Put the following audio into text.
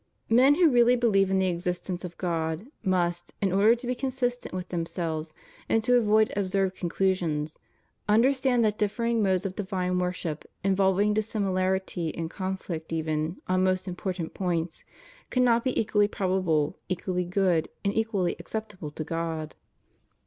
Men who really believe in the existence of God must, in order to be consistent with themselves and to avoid absvird conclusions, imder stand that differing modes of divine worship involving dissimilarity and conflict even on most important points, cannot all be equally probable, equally good, and equally acceptable to God.